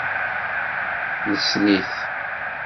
Nessen-it.